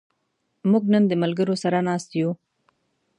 موږ نن د ملګرو سره ناست یو.